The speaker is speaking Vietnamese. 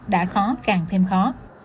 đã khó càng thêm khó